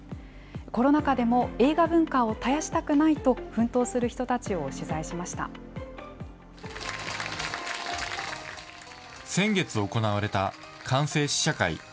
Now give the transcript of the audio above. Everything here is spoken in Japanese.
コロナ禍でも映画文化を絶やしたくないと奮闘する人たちを取材し先月行われた完成試写会。